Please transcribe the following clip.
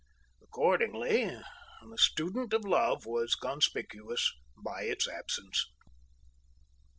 Accordingly, "The Student of Love" was conspicuous by its absence.